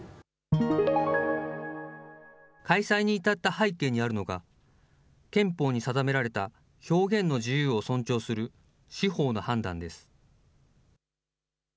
開催に至った背景にあるのが、憲法に定められた表現の自由を尊重する司法の判断です。